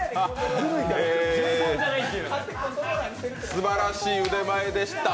すばらしい腕前でした。